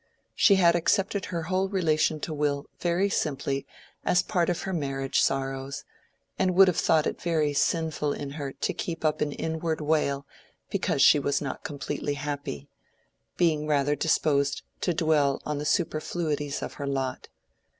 She had accepted her whole relation to Will very simply as part of her marriage sorrows, and would have thought it very sinful in her to keep up an inward wail because she was not completely happy, being rather disposed to dwell on the superfluities of her lot.